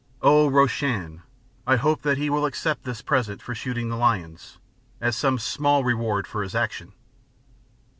Oh! Roshan, I hope that he will accept this present for shooting the lions, as some small reward for his action.